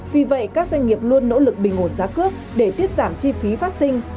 vì vậy các doanh nghiệp luôn nỗ lực bình ổn giá cước để tiết giảm chi phí phát sinh